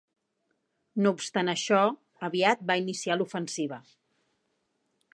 No obstant això, aviat va iniciar l'ofensiva.